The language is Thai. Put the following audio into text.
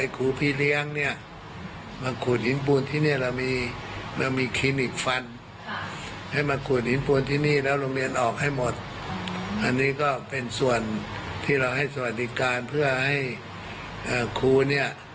คุณเนี่ยปากสะอาดพูดกับเด็กไม่เม้น